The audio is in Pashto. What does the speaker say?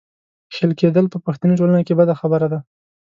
ښېل کېدل په پښتني ټولنه کې بده خبره ده.